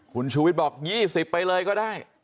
คุณชูวิทย์บอก๒๐ไปเลยก็ได้